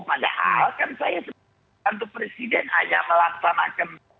padahal kan saya tentu presiden hanya melaksanakan